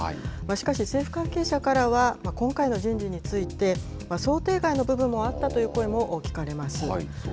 しかし、政府関係者からは今回の人事について、想定外の部分もあったという声も聞かれます。